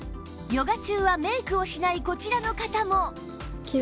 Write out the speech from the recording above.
ヨガ中はメイクをしないこちらの方も